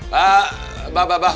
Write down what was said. pak pak pak pak